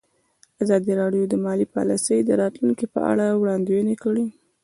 ازادي راډیو د مالي پالیسي د راتلونکې په اړه وړاندوینې کړې.